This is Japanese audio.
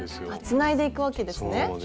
つないでいくわけですね。